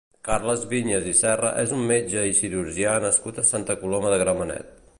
Carles Viñas i Serra és un metge i cirurgià nascut a Santa Coloma de Gramenet.